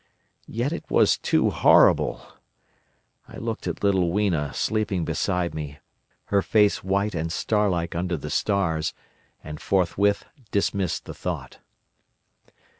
Yet it was too horrible! I looked at little Weena sleeping beside me, her face white and starlike under the stars, and forthwith dismissed the thought.